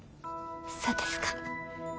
そうですか。